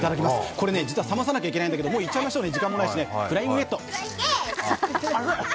これ、実は冷まさなきゃいけないんですけど、もういっちゃいますね、時間ないので。